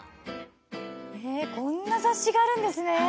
こんな雑誌があるんですね。